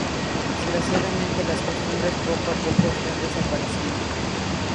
Desgraciadamente las costumbres poco a poco están desapareciendo.